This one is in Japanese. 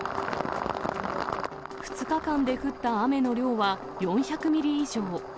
２日間で降った雨の量は４００ミリ以上。